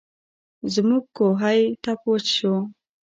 زموږ کوهۍ ټپ وچ شو.